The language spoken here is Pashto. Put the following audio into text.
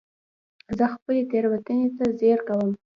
زه خپلې تېروتنې ته ځير شوم.